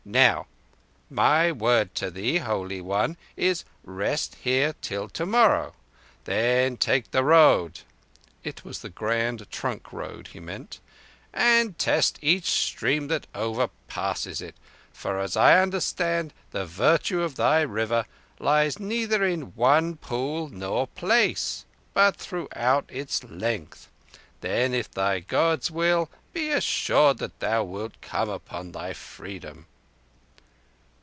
Now my word to thee, Holy One, is rest here till tomorrow. Then take the road" (it was the Grand Trunk Road he meant) "and test each stream that it overpasses; for, as I understand, the virtue of thy River lies neither in one pool nor place, but throughout its length. Then, if thy Gods will, be assured that thou wilt come upon thy freedom."